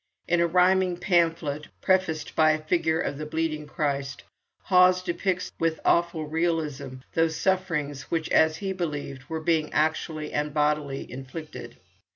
In a rhyming pamphlet, prefaced by a figure of the bleeding Christ, Hawes depicts with awful realism those sufferings which, as he believed, were being actually and bodily inflicted.